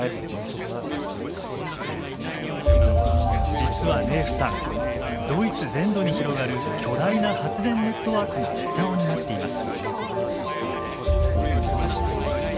実はネーフさんドイツ全土に広がる巨大な発電ネットワークの一端を担っています。